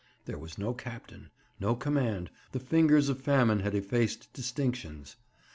There was no captain, no command, the fingers of famine had effaced distinctions.